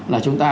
là chúng ta